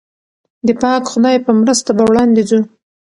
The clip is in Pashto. د پاک خدای په مرسته به وړاندې ځو.